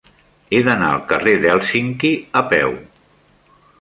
He d'anar al carrer d'Hèlsinki a peu.